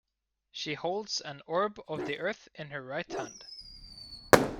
She holds an orb of the earth in her right hand.